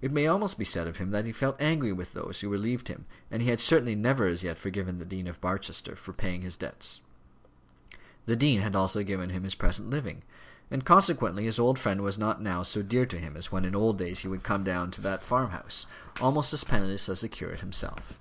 It may almost be said of him that he felt angry with those who relieved him, and he had certainly never as yet forgiven the Dean of Barchester for paying his debts. The dean had also given him his present living; and consequently his old friend was not now so dear to him as when in old days he would come down to that farm house, almost as penniless as the curate himself.